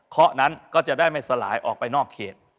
นั้นก็จะได้ไม่สลายออกไปนอกเขต